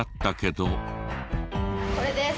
これです。